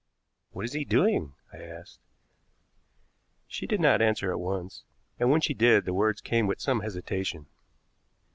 "What is he doing?" I asked. She did not answer at once, and when she did the words came with some hesitation.